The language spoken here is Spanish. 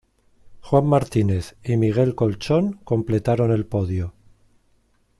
Juan Martínez y Miguel Colchón completaron el podio.